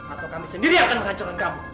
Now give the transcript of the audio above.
atau kami sendiri akan menghancurkan kamu